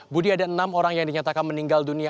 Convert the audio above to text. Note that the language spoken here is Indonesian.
budi ada enam orang yang dinyatakan meninggal dunia